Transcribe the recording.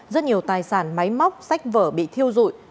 rất nhiều tài sản máy móc sách vở bị thiêu dụi